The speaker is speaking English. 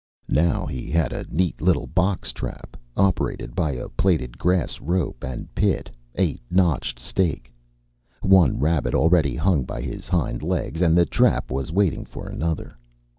Now he had a neat little box trap, operated by a plaited grass rope and pit, a notched stake. One rabbit already hung by his hind legs and the trap was waiting for another.